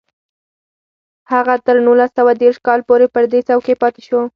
هغه تر نولس سوه دېرش کال پورې پر دې څوکۍ پاتې شو